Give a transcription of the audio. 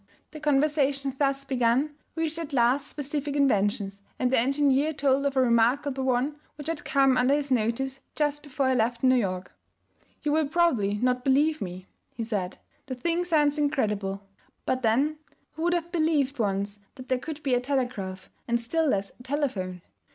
The conversation thus begun reached at last specific inventions, and the engineer told of a remarkable one which had come under his notice just before he left New York. 'You will probably not believe me,' he said; 'the thing sounds incredible; but then who would have believed once that there could be a telegraph, and still less a telephone?